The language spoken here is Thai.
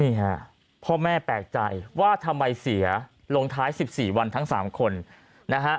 นี่ฮะพ่อแม่แปลกใจว่าทำไมเสียลงท้าย๑๔วันทั้ง๓คนนะฮะ